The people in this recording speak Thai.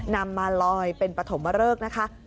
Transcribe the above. นำมาลอยเป็นปฐมเริกนะคะ